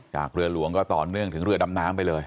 เรือหลวงก็ต่อเนื่องถึงเรือดำน้ำไปเลย